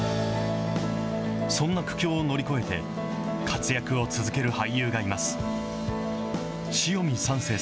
そんな苦境を乗り越えて活躍を続ける俳優がいます。